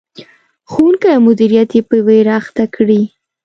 ښوونکي او مدیریت یې په ویر اخته کړي.